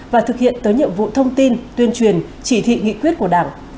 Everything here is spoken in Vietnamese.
và thực hiện tới nhiệm vụ thông tin tuyên truyền chỉ thị nghị quyết của đảng